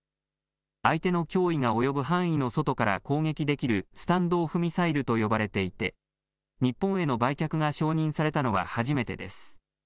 相手の脅威が及ぶ範囲の外から攻撃できるスタンド・オフ・ミサイルと呼ばれていて日本への売却が承認されたのは初めてです。